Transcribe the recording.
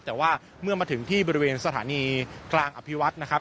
แต่ว่าเมื่อมาถึงที่บริเวณสถานีกลางอภิวัฒน์นะครับ